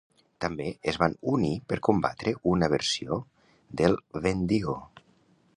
També es van unir per combatre una versió del Wendigo.